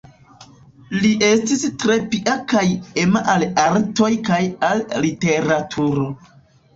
Li estis tre pia kaj ema al artoj kaj al literaturo.